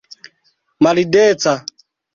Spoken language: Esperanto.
maldeca